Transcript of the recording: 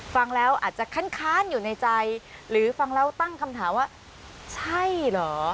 ฟังแล้วอาจจะค้านอยู่ในใจหรือฟังแล้วตั้งคำถามว่าใช่เหรอ